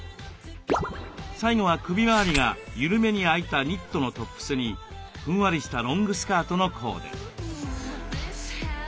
最後は首回りが緩めに開いたニットのトップスにふんわりしたロングスカートのコーデ。